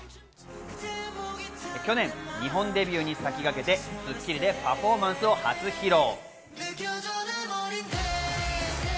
去年、日本デビューに先駆けて『スッキリ』でパフォーマンスを初披露。